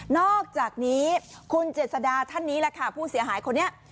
อกจากนี้คุณเจษดาท่านนี้แหละค่ะผู้เสียหายคนนี้